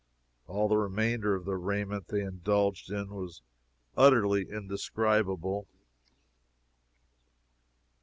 All the remainder of the raiment they indulged in was utterly indescribable.